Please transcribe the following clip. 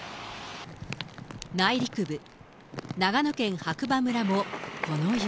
内陸部、長野県白馬村もこの雪。